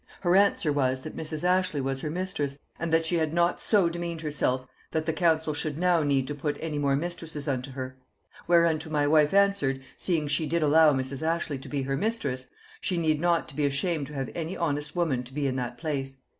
Her answer was, that Mrs. Ashley was her mistress, and that she had not so demeaned herself that the council should now need to put any mo mistresses unto her. Whereunto my wife answered, seeing she did allow Mrs. Ashley to be her mistress, she need not to be ashamed to have any honest woman to be in that place.